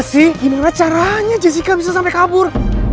kamu gimana sih gimana caranya jessica bisa sampai kabur